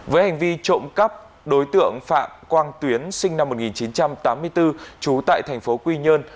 với hành vi trộm cắp đối tượng phạm quang tuyến sinh năm một nghìn chín trăm tám mươi bốn trú tại thành phố quy nhơn